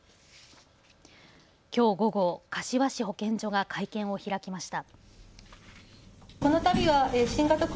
きょう午後、柏市保健所が会見を開きました。